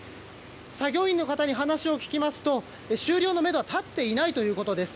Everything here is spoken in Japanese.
作業員の方に話を聞きますと終了のめどは立っていないということです。